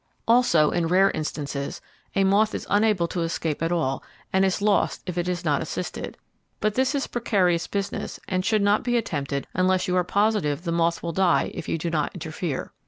Also, in rare instances, a moth is unable to escape at all and is lost if it is not assisted; but this is precarious business and should not be attempted unless you are positive the moth will die if you do not interfere.